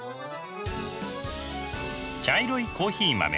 茶色いコーヒー豆。